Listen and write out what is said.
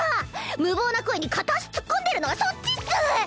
無謀な恋に片足突っ込んでるのはそっちっス！